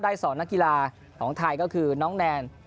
สอนนักกีฬาของไทยก็คือน้องแนน